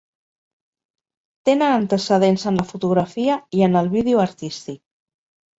Tenen antecedents en la fotografia i en el vídeo artístic.